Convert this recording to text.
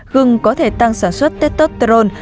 gừng có thể tăng sản xuất testosterone